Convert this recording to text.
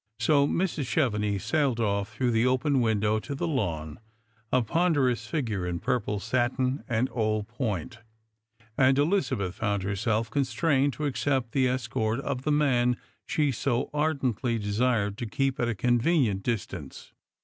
So Mrs. Cheveiiix sailed off through the open window to the lawn, a ponderous figure in pur])le satin and old point, and Elizabeth found herself constrained to accejDt the escort of the man she so ardently desired to keep at a convenient distance.